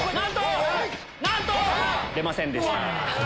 出ませんでした。